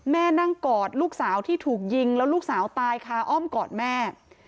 แม่นั่งกอดลูกสาวที่ถูกยิงแล้วลูกสาวตายคาอ้อมกอดแม่